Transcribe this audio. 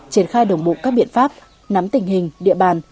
triển khai đồng bộ các biện pháp nắm tình hình địa bàn